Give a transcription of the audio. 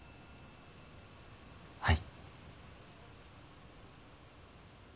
はい。